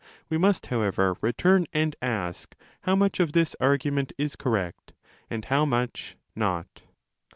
We must, however, return and ask how much of this argu ment is correct and how much not.